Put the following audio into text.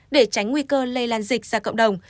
để tránh nguy cơ lây lan dịch ra cộng đồng